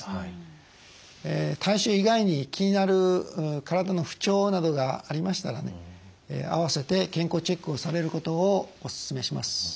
体臭以外に気になる体の不調などがありましたら合わせて健康チェックをされることをお勧めします。